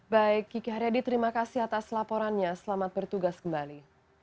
baik kiki haryadi terima kasih atas laporannya selamat bertugas kembali